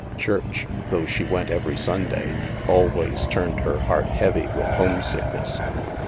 Church, though she went every Sunday, al ways turned her heart heavy with homesickness.